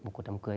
một cuộc đám cưới